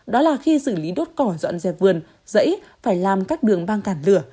đó là khi xử lý đốt cỏ dọn dẹp vườn dẫy phải làm các đường băng cản lửa